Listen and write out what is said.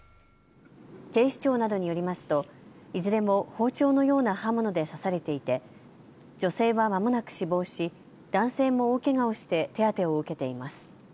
警視庁などによりますといずれも包丁のような刃物で刺されていて女性はまもなく死亡し、男性も大けがをして手当てを受けています。